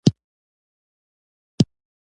چای د زړه سړښت دی